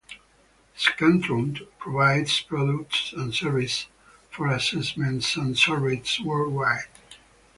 Scantron provides products and services for assessments and surveys worldwide.